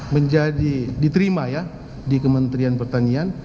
menjadi diterima ya di kementerian pertanian